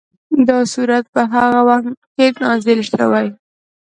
دا سورت په هغه وخت کې نازل شوی.